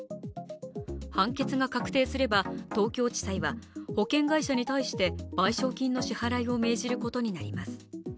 判決が確定すれば、東京地裁は保険会社に対して賠償金の支払いを命じることになります。